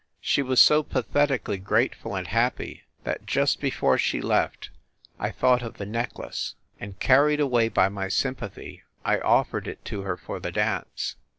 She was so pathetically grateful and happy that, just before she left, I thought of the necklace, and, carried away by my sympathy, I offered it to her for the dance.